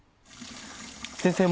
先生